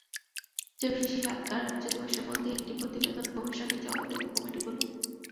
জরিপ শেষে সাত কার্যদিবসের মধ্যে একটি প্রতিবেদন কমিশনে জমা দেবে কমিটিগুলো।